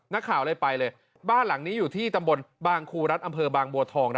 นักข่าวเลยไปเลยบ้านหลังนี้อยู่ที่ตำบลบางครูรัฐอำเภอบางบัวทอง